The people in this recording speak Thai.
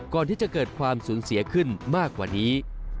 ก่อนที่จะเกิดความสูญเสียขึ้นมากกว่านี้